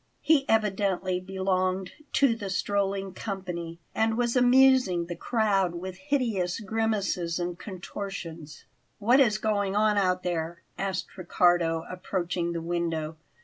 He evidently belonged to the strolling company, and was amusing the crowd with hideous grimaces and contortions. "What is going on out there?" asked Riccardo, approaching the window.